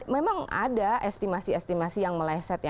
memang ada estimasi estimasi yang meleset ya